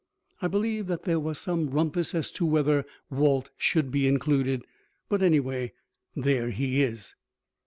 I believe that there was some rumpus as to whether Walt should be included; but, anyway, there he is.